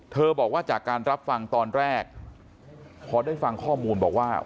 บอกว่าจากการรับฟังตอนแรกพอได้ฟังข้อมูลบอกว่า